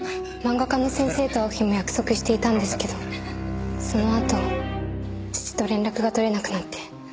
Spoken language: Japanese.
漫画家の先生と会う日も約束していたんですけどそのあと父と連絡が取れなくなって。